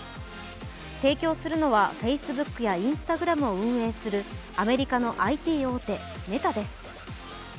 提供するのはＦａｃｅｂｏｏｋやＩｎｓｔａｇｒａｍを運営するアメリカのＩＴ大手メタです。